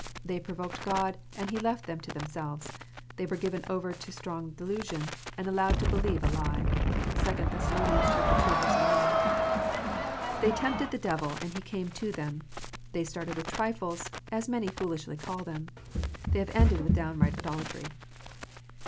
They provoked God, and He left them to themselves ! They were given over to strong delusion, and allowed to believe a lie. (2 Thess. ii. 11.) They tempted the devil, and he came to them ! They started with trifles, as many foolishly call them. They have ended with downright idolatry.